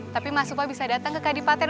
tapi mas supa bisa datang ke kadipaten